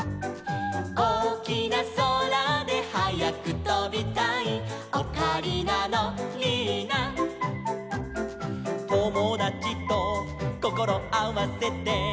「おおきなそらではやくとびたい」「オカリナのリーナ」「ともだちとこころあわせて」